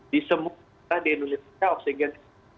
disemutra di indonesia oksigen